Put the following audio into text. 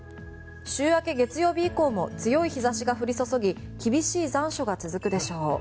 週明け、月曜日以降も強い日差しが降り注ぎ厳しい残暑が続くでしょう。